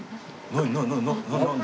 何？